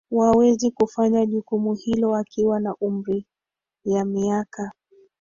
wawezi kufanya jukumu hilo akiwa na umri ya miaka